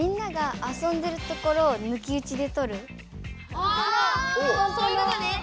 あそういうことね。